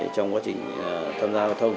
trong quá trình tham gia giao thông